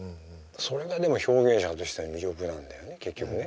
それがでも表現者としての魅力なんだよね結局ね。